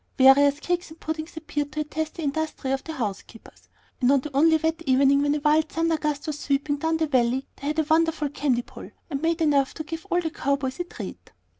Various cakes and puddings appeared to attest the industry of the housekeepers; and on the only wet evening, when a wild thunder gust was sweeping down the valley, they had a wonderful candy pull, and made enough to give all the cow boys a treat.